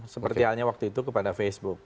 seperti halnya waktu itu kepada facebook